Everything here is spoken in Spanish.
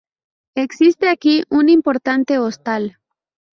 Existe aquí un importante hostal.